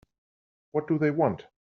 What do they want?